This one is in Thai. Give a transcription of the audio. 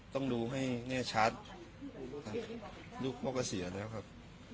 ต้องดูให้แน่ชัดลูกพ่อก็เสียแล้วครับ